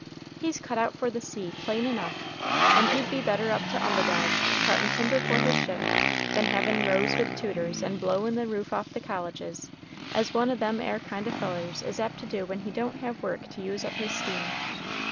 He's cut out for the sea, plain enough, and he'd better be up to Umbagog, cuttin' timber for his ship, than havin' rows with tutors, and blowin' the roof off the colleges, as one o' them 'ere kind o' fellers is apt to when he don't have work to use up his steam.